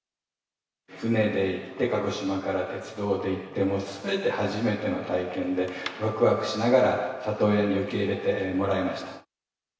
船で行って、鹿児島から鉄道で行って、もうすべて初めての体験で、わくわくしながら、里親に受け入れてもらいました。